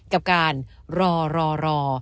กับการรอรอ